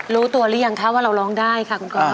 รู้ตัวหรือยังคะว่าเราร้องได้ค่ะคุณก๊อฟ